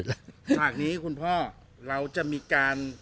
จากนี้คุณพ่อเราจะมีการ